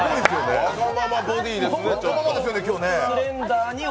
わがままボディーですね。